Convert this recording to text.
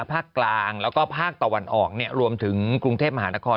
ภาคกลางแล้วก็ภาคตะวันออกรวมถึงกรุงเทพมหานคร